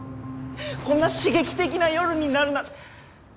こんな刺激的な夜になる。